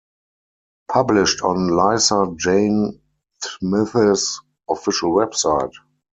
Published on Lisa Jane Smith's official website.